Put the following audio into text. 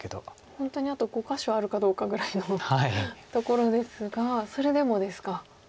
本当にあと５か所あるかどうかぐらいのところですがそれでもですか。